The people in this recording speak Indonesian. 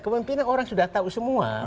kemimpinan orang sudah tahu semua